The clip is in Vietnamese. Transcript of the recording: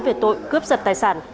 về tội cướp giật tài sản